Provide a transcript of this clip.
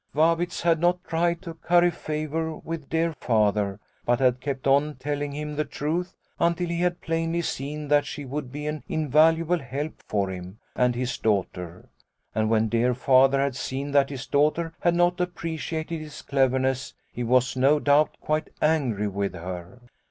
Vabitz had not tried to curry favour with dear Father, but had kept on telling him the truth, until he had plainly seen that she would be an in valuable help for him and his daughter. And when dear Father had seen that his daughter had not appreciated his cleverness, he was, no doubt, quite angry with her.